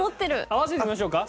合わせてみましょうか？